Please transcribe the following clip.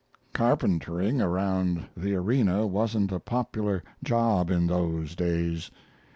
Carpentering around the arena wasn't a popular job in those days.